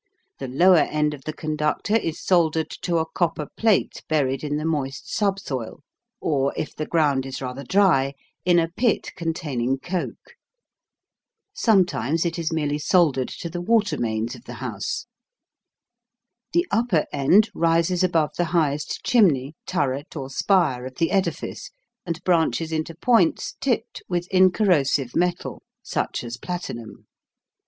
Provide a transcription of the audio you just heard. The lower end of the conductor is soldered to a copper plate buried in the moist subsoil, or, if the ground is rather dry, in a pit containing coke. Sometimes it is merely soldered to the water mains of the house. The upper end rises above the highest chimney, turret, or spire of the edifice, and branches into points tipped with incorrosive metal, such as platinum.